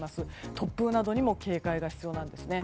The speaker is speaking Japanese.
突風などにも警戒が必要なんですね。